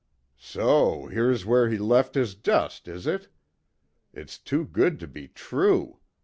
"So here's where he left his dust, is it? It's too good to be true!